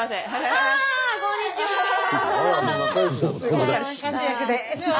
ああこんにちは。